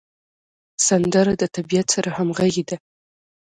سندره د طبیعت سره همغږې ده